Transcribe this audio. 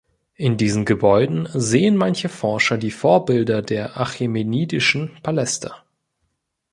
In diesen Gebäuden sehen manche Forscher die Vorbilder der achämenidischen Paläste.